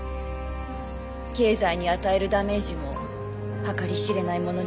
経済に与えるダメージも計り知れないものになるでしょう。